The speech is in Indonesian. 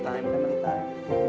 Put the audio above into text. jangan wong itu udah sama dengan saya